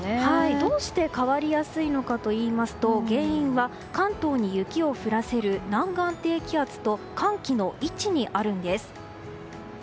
どうして変わりやすいのかといいますと原因は関東に雪を降らせる南岸低気圧と寒気の位置にあるんです。